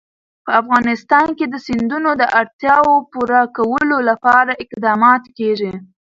په افغانستان کې د سیندونه د اړتیاوو پوره کولو لپاره اقدامات کېږي.